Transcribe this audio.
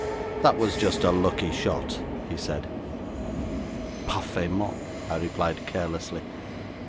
'That was just a lucky shot,' he said. 'Parfaitement,' I replied carelessly.